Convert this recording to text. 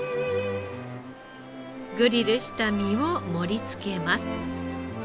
グリルした身を盛り付けます。